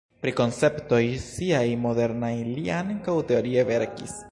Pri konceptoj siaj modernaj li ankaŭ teorie verkis.